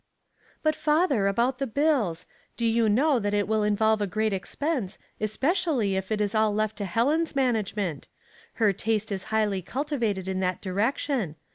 "But, father, about the bills. Do you know that it will involve a great expense, especially if it is all left to Helen's management. Her taste is highly cultivated in that direction.